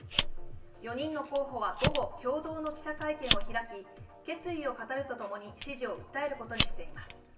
４人の候補は午後、共同の記者会見を開き、決意を語るとともに、支持を訴えることにしています。